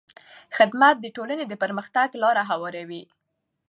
خدمت د ټولنې د پرمختګ لاره هواروي.